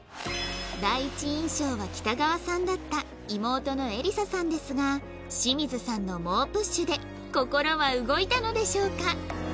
第一印象は北川さんだった妹のえりささんですが清水さんの猛プッシュで心は動いたのでしょうか？